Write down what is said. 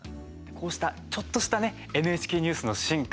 こうした、ちょっとしたねＮＨＫニュースの進化